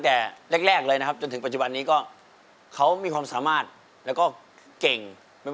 ทะดามว่ากัสเมื่อกี้ฟังแก้มร้องเพลงไหม